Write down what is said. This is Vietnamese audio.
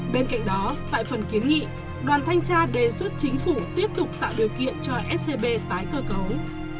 bên cạnh đó tại phần kiến nghị đoàn thanh tra đề xuất chính phủ tiếp tục tạo điều kiện cho scb tái cơ cấu